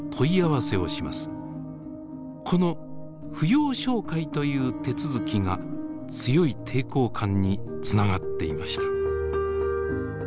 この「扶養照会」という手続きが強い抵抗感につながっていました。